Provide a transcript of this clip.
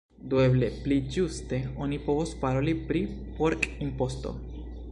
Do eble pli ĝuste oni povos paroli pri pork-imposto.